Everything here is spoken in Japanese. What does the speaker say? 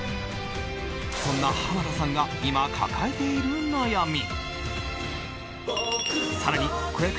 そんな濱田さんが今抱えている悩み。